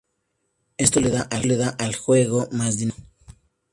Esto le da al juego más dinamismo.